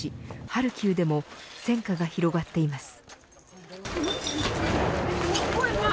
ハルキウでも戦火が広がっています。